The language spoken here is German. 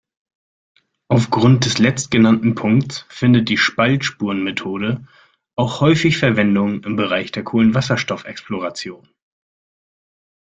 Aufgrund des letztgenannten Punkts findet die Spaltspuren-Methode auch häufig Verwendung im Bereich der Kohlenwasserstoff-Exploration.